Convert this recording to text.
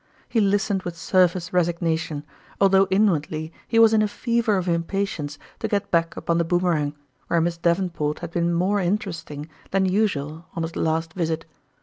He listened with surface resignation, although inwardly he was in a fever of impa tience to get back upon the Boomerang, where Miss Davenport had been more interesting than usual on his last visit.